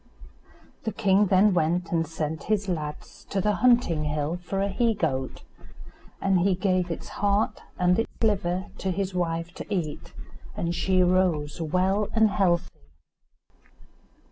The king then went and sent his lads to the hunting hill for a he goat, and he gave its heart and its liver to his wife to eat; and she rose well and healthy.